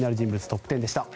トップ１０でした。